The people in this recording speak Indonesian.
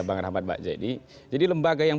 bang rahmat mbak jendi jadi lembaga yang